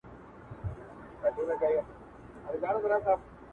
دٙ مرٙوتو نازوليو شاعرانو انتخاب بيتونه